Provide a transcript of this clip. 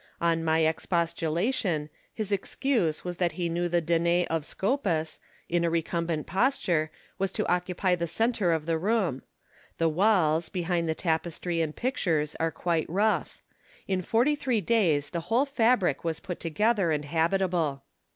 On my ex postulation, his excuse was that he knew the Danae of Scopas, in a recumbent posture, was to occupy the centre of the room. The walls, behind the tapestry and pictures, are quite rough. In forty three days the whole fabric was put together and habitable.